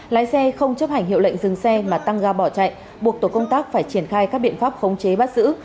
lái xe không chấp hành hiệu lệnh dừng xe mà tăng ga bỏ chạy buộc tổ công tác phải triển khai các biện pháp khống chế bắt giữ